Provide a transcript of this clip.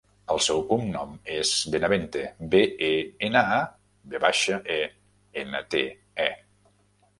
El seu cognom és Benavente: be, e, ena, a, ve baixa, e, ena, te, e.